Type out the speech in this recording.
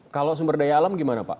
kalau sumber daya alam gimana pak